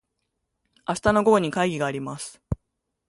明日の午後に会議があります。